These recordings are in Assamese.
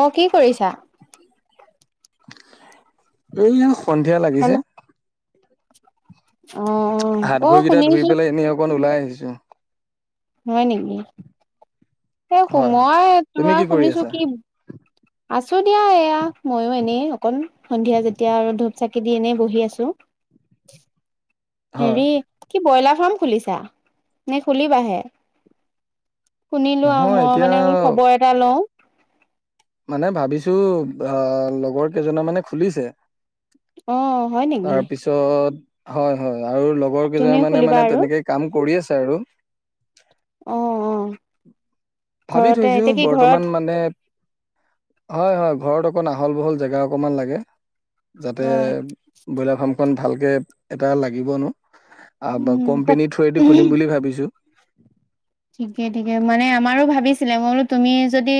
অ, কি কৰিছা? এইয়া সন্ধিয়া লাগিছে [unintelligible] অ-অ। অ' শুনিছো। বিজু [unintelligible] হয় নেকি এ হয় হয় মই তুমি তোমাৰ কি কৰি শুনিছো আছা কি আছো দিয়া এয়া, ময়ো এনেই অকণ, সন্ধিয়া যেতিয়া আৰু ধূপ চাকি দি এনেই বহি আছো। হয় হেৰি কি ব্ৰইলাৰ ফ্ৰাম খুলিছা, নে খুলিবাহে? শুনিলো আৰু নহয় মই এতিয়া মানে বুলো খবৰ এটা লওঁ মানে ভাবিছো, আহ লগৰ কেইজনা মানে খুলিছে অ হয় নেকি। তাৰপিছত হয় হয়। আৰু লগৰ তুমিও কেইজনমানে, খুলিবা মানে আৰু তেনেকে কাম কৰি আছে। আৰু [unintelligible] অ-অ। ভাবি থৈছো। ঘৰত বৰ্তমান মানে হয় হয়, ঘৰত অকণ আহল বহল জেগা অকনমান লাগে। যাতে, হয় ব্ৰইলাৰ ফাৰ্ম অকণ ভালকে, এটা লাগিব ন? আ বা কোম্পেনীৰ থ্ৰুৱেদিটো খুলিম বুলি ভাবিছো। ঠিকে-ঠিকে। মানে আমাৰো ভাবিছিলে মই বুলো, তুমি যদি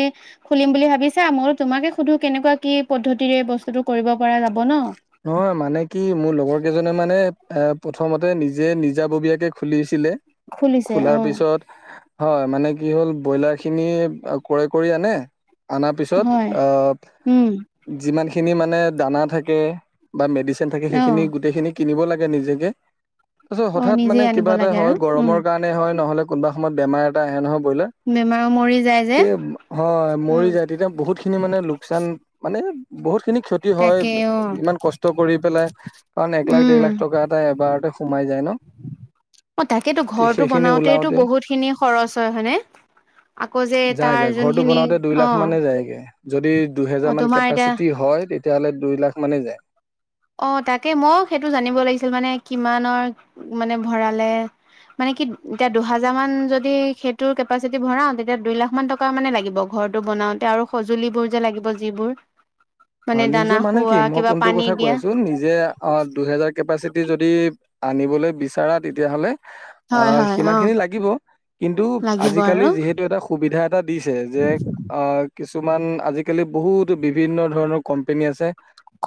খুলিম বুলি ভাবিছা, ময়ো তোমাকে সুধো কেনেকুৱা কি পদ্ধতিৰে বস্তুটো কৰিব পৰা যাব? ন। নহয় মানে কি, মোৰ লগৰ কেইজনে মানে এ প্ৰথমতে নিজে, নিজাববীয়াকে খুলিছিলে। খুলিছে অ খোলাৰ পিছত, হয়। মানে কি হ'ল? ব্ৰইলাৰখিনি ক্ৰয় কৰি আনে। আনাৰ পিছত হয় অ, উম যিমান খিনি সিখিনি মানে দানা থাকে বা মেডি থাকে অ সেইখিনি গোটেইখিনিক কিনিব লাগে নিজকে তাৰপিছত অ হঠাৎ নিজে মানে আনিব কিবা এটা লাগে আৰু হয় উম গৰমৰ কাৰণে হয় নহলে কোনোসময়ত বেমাৰ এটা আহে নহ বইলাৰ, বেমাৰ মৰি যায় যে তে হয় উম মৰি যায় তেতিয়া বহুত খিনি মানে লোকচান মানে বহুত খিনি ক্ষতি হয় তাকে অ ইমান কষ্ট কৰি পেলাই, কাৰণ উম একলাখ-দেৰলাখ টকা এটা এবাৰতে সোমাই যায় ন অ তাকেতো ঘৰটো সেইখিনি বনাওতেতো ওলাওতে বহুত খিনি খৰচ হয়, হয়নে? আকৌ যে যাই যাই তাৰ ঘৰটো যোনখিনি বনাওতে দুই অ লাখ মানে যায়গে যদি অ দুহেজাৰমানান তোমাৰ এতিয়া কেপাচিটি হয় তেতিয়াহ'লে দুই লাখ মানে যায় অ তাকে মই সেইটো জানিব লাগিছিল মানে কিমানৰ মানে ভৰালে মানে কি এতিয়া দুহাজাৰ মান যদি সেইটোৰ কেপাচিটি ভৰাওঁ তেতিয়া দুই লাখ মান টকা মানে লাগিব ঘৰটো বনাওতে আৰু সঁজুলিবোৰ যে লাগিব যিবোৰ মানে অ দানা নিজৰ মানে কি খুওৱা মই কিবা কোনটো পানী কথা কৈ দিয়া আছো নিজ যে দুহেজাৰ কেপাচিটি যদি আনিবলৈ বিচাৰা তেতিয়াহলে হয় আহ হয় সিমান অ খিনি লাগিব কিন্তু লাগিব আজিকালি আৰু যিহেতু এটা সুবিধা এটা দিছে যে আহ কিছুমান আজিকালি বহুত বিভিন্ন ধৰণৰ কোম্পেনী আছে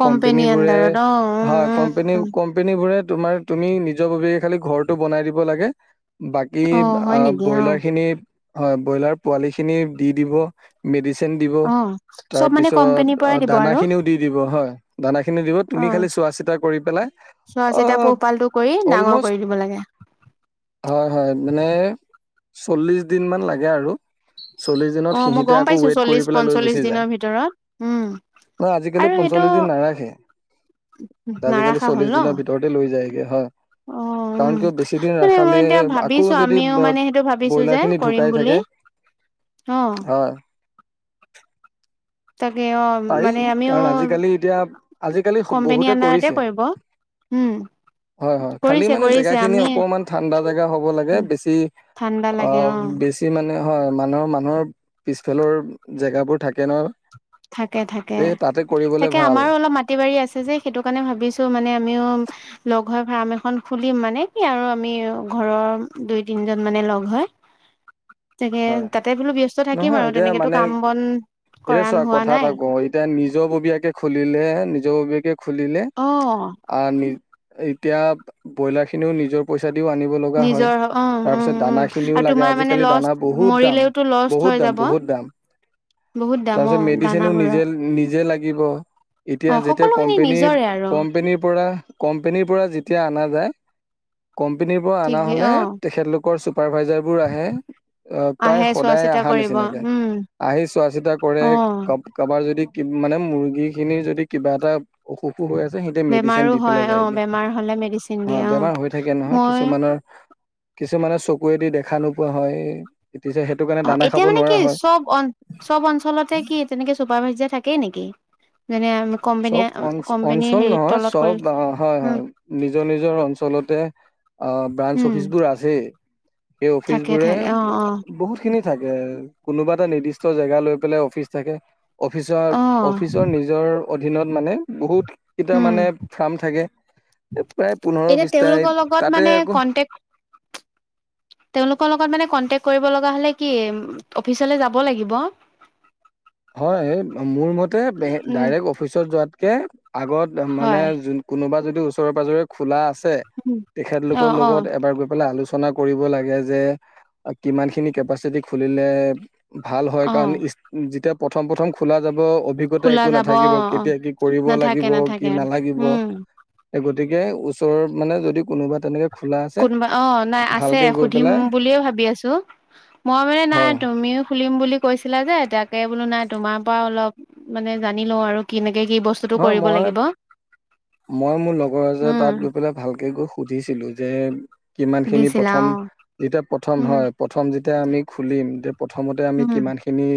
কোম্পেনী কোম্পনী বোৰে আণ্ডাৰত অ উম হয় কোম্পেনী উম কোম্পেনী বোৰে তোমাৰ তুমি নিজৰ বব খালি ঘৰটো বনাই দিব লাগে বাকী অ হয় নেকি অ ব্ৰইলাৰখিনি হয় ব্ৰইলাৰ পোৱালি খিনি দি দিব ম অ চব মান কম্পানীৰ পৰাই দিব আৰু দানাখিনিও দি দিব হয় দানাখিনি দিব অ তুমি খালি চোৱা চিতা কৰি পেলাই চোৱা অ চিতা পোহপালটো কৰি অলম ডাঙৰ কৰি দিব লাগে হয় হয় মানে চল্লিশ দিন মান লাগে আৰু চল্লিশ দিনত অ মই সিহিতে গম আকৌ পাইছো ৱেইট কৰি চল্লিশ পঞ্চল্লিশ দিনৰ ভিতৰত উম নহ আজিকালি আৰু সেইটো পঞ্চল্লিশ দিন নাৰাখে আজিকালি নাৰাখা চল্লিশ হ'ল ন দিনৰ ভিতৰতে লৈ হৈ যায়গে হয় অ উম কাৰণ কিয় বেছি দিন মানে মই ৰাখালে এতিয়া আকৌ ভাবিছো যদি আমিও মানে সেইটো ভাবিছো যে ব্ৰইলাৰ খিনি কৰিম ঢুকাই বুলি থাকে অ হয় [inaudible] তাকে অ পাৰি মানে আমিও কাৰণ আজিকালি এতিয়া আজিকালি কোম্পেনী বহুতে আণ্ডাৰতে কৰিছে কৰিব উম হয় হয় খালি কৰিছে মানে জেগা কৰিছে খিনি আমি অকমান ঠাণ্ডা জেগা হব লাগে বেছি ঠাণ্ডা লাগে অ আহ বেছি মানে হয় মানুহৰ মানুহৰ পিছফালৰ জেগাবোৰ থাকে ন থাকে থাকে এই তাতে কৰিবলে তাকে ভাল আমাৰো অলপ মাটি বাৰী আছে যে সেইটো কাৰণে ভাবিছো মানে আমিও লগ ঘৰ ফাৰ্ম এখন খুলিম মানে কি আৰু আমি ঘৰৰ দুই তিনজন মানে লগ হয় তাকে হয় তাতে বোলো ব্যস্ত থাকিম নহয় আৰু এতিয়া তেনেকেতো মানে কাম বন কৰা এতিয়া চোৱা হোৱা কথা নাই এটা কওঁ এতিয়া নিজৰ ববীয়াকে খুলিলে নিজৰ েক খুলিলে অ আৰু নি এতিয়া ব্ৰইলাৰ খিনিও নিজৰ পইচা পইচা দিও আনিব লগা হয় নিজৰ হ উম তাৰ উম পিছত উম দানা খিনিও আৰু লাগে তোমাৰ মানে আজিকালি দানা লষ্ট বহুত দাম মৰিলেওতো লষ্ট বহুত হৈ দাম যাব বহুত দাম বহুত দামৰ তাৰপিছত মেডিচিনো দানাবোৰৰ নিজে নিজে লাগিব অ এতিয়া যেতিয়া সকলোখিনি কোম্পেনীৰ নিজৰে আৰু কোম্পেনীৰ পৰা কোম্পেনীৰ পৰা যেতিয়া [unintelligible] কোম্পেনীৰ পৰা অনা ঠিকে হ'লে অ তেখেতলোক ছুপাৰ ভাইজাৰ বোৰ আহে অ প্ৰায় আহে চোৱা সদায় চিতা আহা কৰিব নিচিনাকে উম আহি চোৱা চিতা কৰে অ কাবাৰ যদি মানে মুৰ্গী খিনিৰ যদি কিবা এটা অসুখ অমুক হৈ আছে সিহঁতে মেডিচিন বেমাৰো দি পেলাই হয় অ যায়গে। বেমাৰ হলে মেডিচিন অ দিয়ে বেমাৰ হৈ থাকে নহয় মই কিছুমানৰ কিছুমানে চকুৱেদি দেখা নোপোৱা হয় তেতিয়া সেইটো কাৰণে অ দানা খাব এতিয়া মানে নোৱাৰা কি হয় চব অ চব অঞ্চলতে কি তেনেকে চুপাৰ ভাইজাৰ থাকে তাকেই নেকি যেনে চব কোম্পেনীয়ে অ কোম্পেনীৰ অঞ্চল হেৰিত নহয় তলত চব কৰি হয় উম হয় নিজৰ নিজৰ অঞ্চলতে অ ব্ৰাঞ্চ উম অফিচবোৰ আছেই সেই থাকে অফিচবোৰে থাকে অ অ বহুতখিনি থাকে কোনোবা এটা নিৰ্দিষ্ট জেগা লৈ পেলাই অফিচ থাকে অফিচাৰ অ অফিচৰ নিজৰ অধীনত মানে বহুত এটা উম মানে ফাৰ্ম থাকে প্ৰায় পোন্ধৰ এতিয়া বিচটা তেওঁলোকৰ লগত তাতে মানে আকৌ। কন্টেক তেওঁলোকৰ লগত মানে কণ্টেকট কৰিব লগা হ'লে কি অফিচলৈ যাব লাগিব? হয় মোৰ মতে উম ডাইৰেক্ট অফিচত যোৱাতকে আগত মানে হয় যোন কোনোবা যদি ওচৰে পাজৰে খোলা আছে অ তেখেতলোকৰ অ লগত এবাৰ গৈ পেলাই আলোচনা ৰচনা কৰিব লাগে যে কিমান খিনি কেপাচিটি খুলিলে ভাল হয় অ কাৰণ পঠম পঠম খোলা জাব অভিজ্ঞতা খোলা একো যাব অ নাথাকিব অ কেতিয়া কি কৰিব নাথাকে লাগিব, কি নাথাকে নালাগিব, উম গতিকে ওচৰৰত মানে যদি কোনোবা তেনেকে খোলা আছে কোনোবা অ নাই আছে ভালকে গৈ সুধিম পেলাই বুলিয়ে ভাবি আছো মই মানে নাই হয় তুমিও খুলিম বুলি কৈছিলা যে এ তাকে বোলো নাই তোমাৰ পৰা অলপ মানে জানি লও আৰু কিনে [unintelligible] বস্তুতটো হয় কৰিব মই লাগিব। মই মোৰ লগৰ এজ উম তাত গৈ পেলাই ভালকে গৈ সুধিছিলো যে [unintelligible] কিমান খিনি সুধিছিলা প্ৰথম অ যেতিয়া প্ৰথম উম হয় প্ৰথম যে তেতিয়া আমি খুলিময়া প্ৰথমতে আমি উম কিমানখিনি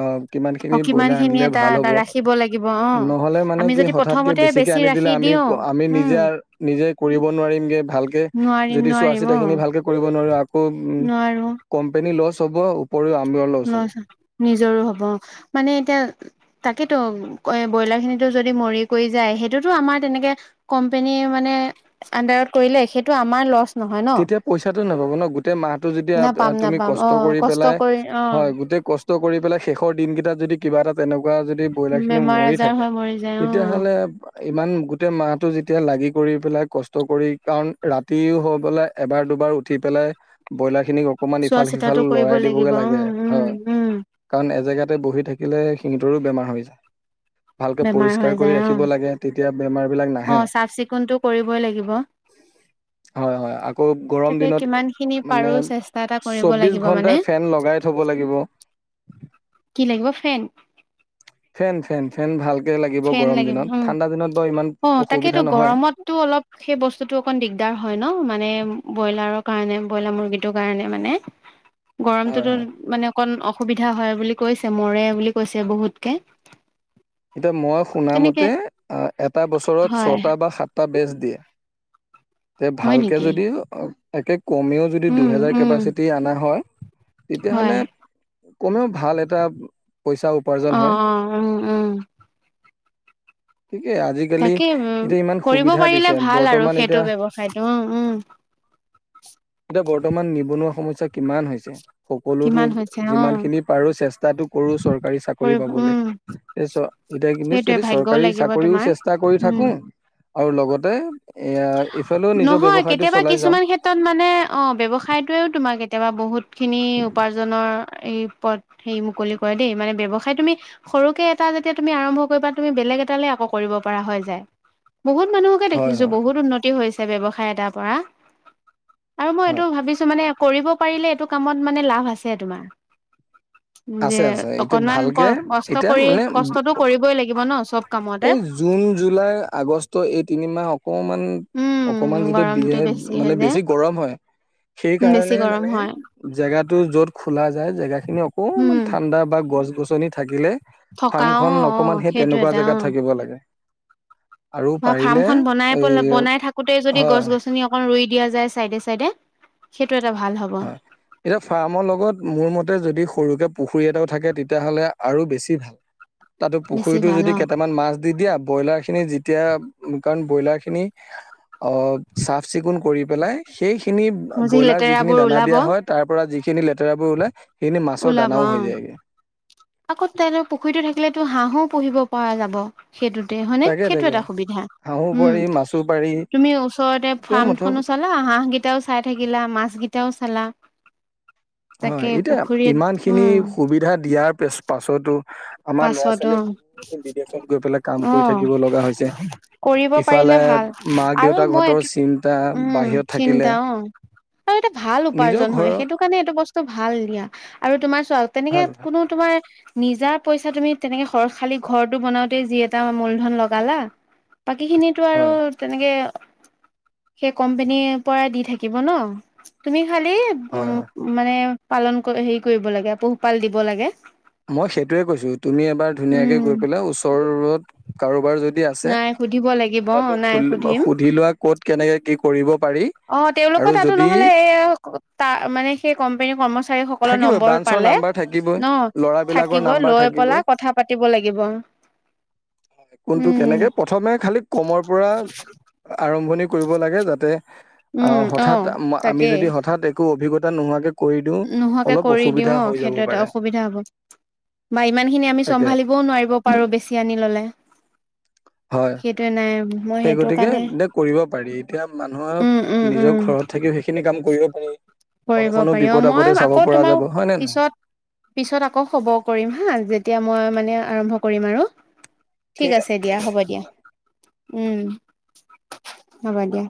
অ, কিমান খিনি অ কিমান ব্ৰইলাৰ খিনি আনিলে এটা ভাল এটা হব। ৰাখিব লাগিব অ নহলে মানে আমি কি যদি হঠাৎকে প্ৰথমতে বেছি ঠিকে আনি ৰাখি দিলে আমি দিওঁ আমি নিজে উম নিজে কৰিব নোৱাৰিমগে ভালকে নোৱাৰিম যদি চোৱা নোৱাৰিম অ চিতাখিনি ভালকে কৰিব নোৱাৰো আকৌ কোম্পনী লছ। হবও। লচ নিজৰো হব, মানে এতিয়া? তাকেতো ব্ৰইলাৰ খিনিতো যদি মৰি কৰি যায়, সেইটোতো আমাৰ তেনেকে কম্পেনীয়ে মানে আডাৰত কৰিলে সেইটো আমাৰ লচ। তেতিয়া পইচাটো নাপাব ন গোটেই মাহটো যেতিয়া নাপাম তুমি নাপাম কষ্ট অ কৰি কষ্ট পেলাই কৰি অ হয়। গোটেই কষ্ট কৰি পেলাই শেষৰ দিনকেইটাত যদি কিবা? এটা তেনেকুৱা যদি ব্ৰইলাৰ খিনি বেমাৰ মৰি আজাৰ থাকে হৈ মৰি যায় অ তেতিয়াহলে ইমান গোটেই মাহটো যেতিয়া লাগি কৰি পেলাই কষ্ট কৰি কাৰণ ৰাতিও হওক। লে এবাৰ দুবাৰ উঠি পেলাই ব্ৰইলাৰ খিনিক অকমান চোৱা ইফাল সিফাল চিতাটো কৰিব লৰাই লাগিব দিবগে উম লাগে উম হয় উম কাৰণ এজেগাতে বহি থাকিলে সিহটোৰো বেমাৰ হৈ যায়। ভালকে বেমাৰ পৰিষ্কাৰ হৈ কৰি যায় অ ৰাখিব লাগে তেতিয়া বেমাৰ বিলাক অ নাহে চাফ চিকুণটো কৰিবই লাগিব হয় হয়। আকৌ গৰম তাকে দিনত কিমান খিনি মানে পাৰো চেষ্টা এটা কৰিব চৌবিছ লাগিব মানে ঘণ্টাই ফেন লগাই থ'ব লাগিব। কি লাগিব ফেন ফেন, ফেন, ফেন ভাল। ফেন লাগিব উম, অ, অসুবিধা তাকেইতো নহয়। গৰমতটো অলপ সেই বস্তুটো অকণ দিগদাৰ হয় ন, মানে? ব্ৰইলাৰৰ কাৰণে ব্ৰইলাৰ মুৰ্গীটোৰ কাৰণে মানে হয় গৰমটোতো হয়। মানে অকণ অ। অসুবিধা হয় বুলি কৈছে মৰে বুলি কৈছে বহুতকে। এতিয়া মই শুনা তেনেকে মতে অ, এটা বছৰত হয় ছটা বা সাতটা বেচ। দিয়ে। তে হয় ভালকে নেকি যদি একে কমেও যদি উম দুহেজাৰ উম কেপাচিটি অনা হয়, হয় তেতিয়াহ'লে? কমেও ভাল এটা। পইচা উপাৰ্জন অ হয় অ উম উম ঠিকে আজিকালি তাকেই উম এতিয়া ইমান কৰিব সুবিধা পাৰিলে দিছে ভাল আৰু বৰ্তমান এতিয়া সেইটো ব্যৱসায়টো উ উম। এতিয়া বৰ্তমান নিবনুৱা সমস্যা কিমান হৈছে। সকলোতো কিমান হৈছে অ যিমান খিনি পাৰো চেষ্টাতো কৰো চৰকাৰী, চাকৰি কৰিব পাবলৈ। উম [unintelligible] কিন্তু সেইটোৱে যদি ভাগ্যও চৰকাৰী, লাগিব চাকৰিও তোমাৰ চেষ্টা কৰি উম থাকো। আৰু লগতে? এয়া ইফালেও নিজৰ নহয় ব্যৱসায়টো কেতিয়াবা চলাই যাওঁ। কিছুমান ক্ষেত্ৰত মানে অ ব্যৱসায়টোবেও তোমাক কেতিয়া বহুত? খিনি উপাৰ্জনৰ এই পথ হেৰি মুকলি কৰে দেই মানে ব্যৱসায় তুমি সৰুকে এটা যেতিয়া তুমি আৰম্ভ কৰিবা তুমি বেলেগ এটালৈ আকৌ কৰিব পৰা হয় যায়। বহুমানুহকে হয় দেখিছে। হয় বহুত উন্নত উন্নতি হৈছে ব্যৱসায় এটাৰ পৰা। আৰু মই হয়। এইটো ভাবিছো মানে কৰিব। পাৰিলেটো কমত ভলা আ তোমাৰ যে আছে, আছে এতিয়া অকনমান ক ভালকে কষ্ট এতিয়া কৰি মানে কষ্টতটো কৰিবই লাগিব ন চব কামতে এই জুন, জুলাই, আগষ্ট এই তিনিমাহ অকমান, উম অকণমান যেতিয়া গৰমতটো বেছি মানে হৈ যে বেছি গৰম হয় বেছি সেইকাৰণে গৰম মানে হয় জেগাটো য'ত খোলা জেগাখিনি অকণমান উম ঠাণ্ডা, বা, গছ-গছনি। থাকিলে থাকিলে। থকা অ ফাৰ্মখনন অ অকমান সেই সেইটো তেনেকুৱা এটা অ জেগাত থাকিব লাগে। আৰু বা ফাৰ্ম পাৰিলে খন এই বনাই-পেল বনাই থাকোতেই যদি হয় গছ-গছনি অকন ৰুই দিয়া যাই চায়দে, চায়দে। হয়, এতিয়া ফাৰ্মৰ লগত মোৰ মতে যদি? সৰুকে পুখুৰী এটাও থাকে তেতিয়াহ'লে আৰু বেছি ভাল। তাতো বেছি পুখুৰীতো ভাল যদি অ কেইটামান মাছ দি দিয়া। ব্ৰইলাৰ খিনি যেতিয়া কাৰণ ব্ৰইলাৰ খিনি অ চাফ চিকুণ কৰি পেলাই সেইখিনি মোৰ ব্ৰইলাৰ যি লেতেৰাবোৰ দানা ওলাব দিয়া হয় তাৰ পৰা যিখিনি লেতেৰাবোৰ ওলাই সেইখিনি মাছৰ ওলাব অ দানাও হৈ যায়গে। আকৌ তেনে পুখুৰীতটো থাকিলেতো হাঁহো পু়হিব পৰা যাব। সেইটোতে হয়নে তাকে সেইটো তাকে এটা সুবিধা হাঁহো উম পাৰি মাছো পাৰি তুমি ওচৰতে তে মুঠৰ ফাৰ্মখনো চালা হাঁহকেইটাও চাই থাকিলা মাছ কেইটাও চালা। তাকে হয় এতিয়া পুখুৰীত ইমান খিনি উম সুবিধা দিয়া। তাৰ পিছ পাছতো। আমাৰ ল'ৰা পাছত অ ছোৱালীয়ে বিদেশত গৈ পেলাই কাম অ কৰি থাকিব লগা হৈছে কৰিব ইফালে পাৰিলে ভাল মাক আৰু মই দেউতাকহঁতৰ এইটো চিন্তা উম বাহিৰত থাকিলে চিন্তা অ আৰু এটা ভাল নিজৰ উপাৰ্জন হয় ঘৰৰ সেইটো কাৰণে এইটো বস্তু ভাল দিয়া আৰু তোমাৰ তেনেকে ভাল কোনো তোমাৰ নিজা। পইচা তুমি তেনেকে সৰ খালী ঘৰটো বনাওতে যি এটা মূলধন লগালা। বাকী খিনিতো আৰু হয় তেনেকে সেই কোম্পনীৰ পৰা দি থাকিব ন তুমি খালি হয় হয় উম মানে পালন হেৰি কৰিব লাগে পোহপাল দিব লাগে। মই সেইটোৱে কৈছোঁ তুমি এবাৰ উম ধুনীয়াকে গৈ পেলাই ওচৰত। কাৰোবাৰ যদি আছে নাই সুধিব লাগিব অ নাই সুধিম সুধি লোৱা ক'ত কেনেকে কি কৰিব। পাৰি অ' আৰু তেওঁলোকৰ তাতো যদি নহলে এ ত মানে সেই কোম্পানীৰ কৰ্মচাৰ থাকিবই ব্ৰাঞ্চৰ নাম্বাৰ থাকিবই, ল'ৰাবলাকৰ থাকিব নাম্বাৰ লৈ পেলা থাকিবই কথা পাতিব লাগিব কোনটো উম কেনেকে প্ৰথমে খালি কমৰ পৰা আৰম্ভণি কৰিব লাগে যাতে অ' হঠাৎ আমি তাকেই যদি হঠাৎ। একো অভিজ্ঞতা নোহোৱাকে কৰি দিও নোহোৱাকে কৰি দিও সেইটো এটা অসুবিধা হ'ব বা ইমানখিনি আমি তাকে চম্ভালিবও নোৱাৰিব পাৰো বেছি আনি ললে। হয় সেইটোয়ে নে সেই গতিকে এতিয়া কৰিব পাৰি। এতিয়া উম উম মানুহৰ উম নিজৰ ঘৰত থাকি সেইখিনি কাম কৰিব পাৰি। কৰিব ঘৰখনো পাৰি অ' বিপদ আপদে মই চাব আকৌ পৰা তোমাৰ যাব হয় নে নহয় পিছত, পিছত আকৌ খবৰ কৰিম হা যেতিয়া মই মানে আৰম্ভ কৰিম আৰু। ঠিক আছে দিয়া হ'ব দিয়া উম। হ'ব দিয়া।